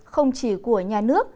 không chỉ của nhà nước